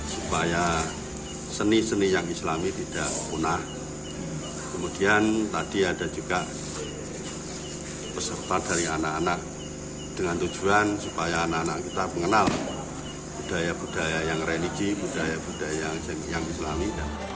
supaya seni seni yang islami tidak punah kemudian tadi ada juga peserta dari anak anak dengan tujuan supaya anak anak kita mengenal budaya budaya yang religi budaya budaya yang islami